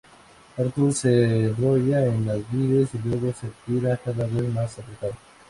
Arthur se enrolla en las vides que luego se tiran cada vez más apretado.